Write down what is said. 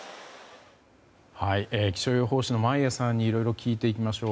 気象予報士の眞家さんにいろいろ聞いていきましょう。